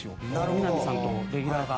みなみさんとレギュラーが。